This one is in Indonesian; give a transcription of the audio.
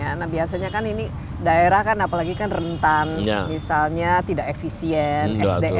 karena biasanya kan ini daerah kan apalagi kan rentan misalnya tidak efisien